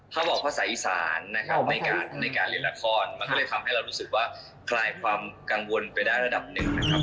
ถ้าบอกภาษาอีสานนะครับในการเล่นละครมันก็เลยทำให้เรารู้สึกว่าคลายความกังวลไปได้ระดับหนึ่งนะครับ